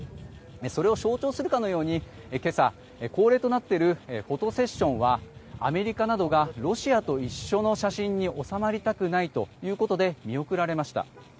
それを象徴するかのように今朝、恒例となっているフォトセッションはアメリカなどがロシアと一緒の写真に収まりたくないということで見送られました。